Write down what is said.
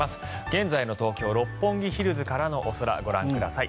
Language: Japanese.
現在の東京・六本木ヒルズからのお空ご覧ください。